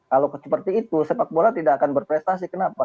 kalau seperti itu sepak bola tidak akan berprestasi kenapa